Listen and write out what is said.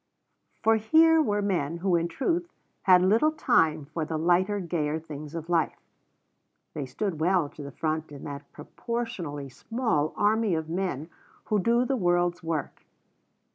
For here were men who in truth had little time for the lighter, gayer things of life. They stood well to the front in that proportionally small army of men who do the world's work.